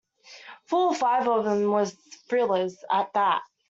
Four or five o' them was thrillers, at that.